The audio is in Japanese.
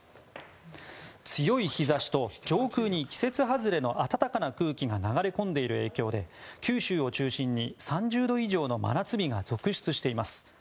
強い日差しと上空に季節外れの暖かい空気が流れ込んでいる影響で九州を中心に３０度以上の真夏日が続出しています。